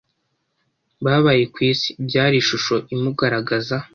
babaye ku isi, byari ishusho imugaragaza